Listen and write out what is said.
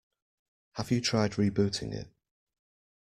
Have you tried rebooting it?